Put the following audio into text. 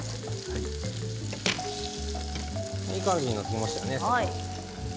いい感じになってきましたね。